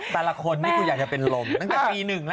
แต่ละคนนี้กูอยากจะเป็นลมตั้งแต่ปี๑แหละ